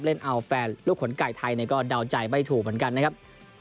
เล่นเอาแฟนลูกขนไก่ไทยก็เดาใจไม่ถูกเหมือนกันนะครับ